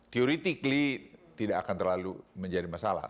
teoretically tidak akan terlalu menjadi masalah